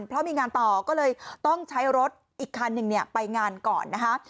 เพราะมีงานต่อก็เลยต้องใช้รถอีกคันหนึ่งไปงานก่อนนะคะ